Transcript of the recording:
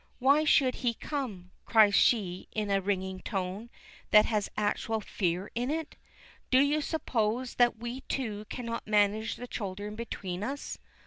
"Why should he come?" cries she in a ringing tone, that has actual fear in it. "Do you suppose that we two cannot manage the children between us?